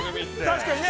◆確かにね。